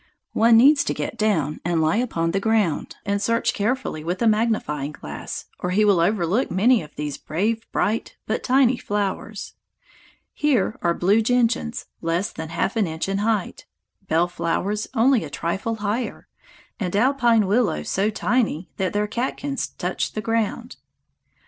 One needs to get down and lie upon the ground and search carefully with a magnifying glass, or he will overlook many of these brave bright but tiny flowers. Here are blue gentians less than half an inch in height, bell flowers only a trifle higher, and alpine willows so tiny that their catkins touch the ground.